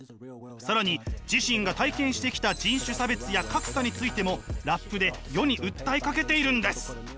更に自身が体験してきた人種差別や格差についてもラップで世に訴えかけているんです！